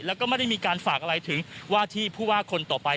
แล้วก็ไม่ได้มีการฝากอะไรถึงว่าที่ผู้ว่าคนต่อไป